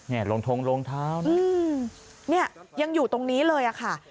นี่โรงทรงโรงเท้านี่ยังอยู่ตรงนี้เลยค่ะ